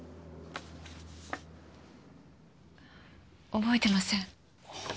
覚えてません。